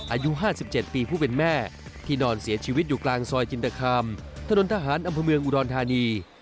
อายุ๕๗ปีผู้เป็นแม่ที่นอนเสียชีวิตอยู่กลางซอยจินตคามถนนทหารอำเภอเมืองอุดรธานี